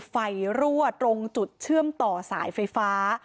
รั่วตรงจุดเชื่อมต่อสายไฟฟ้า